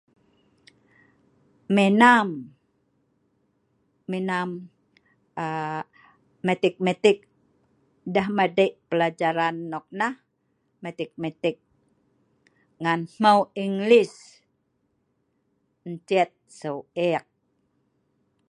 Menam matik-matik deh madik plajaran nik nah metik ngan meu englis ncet sue eek.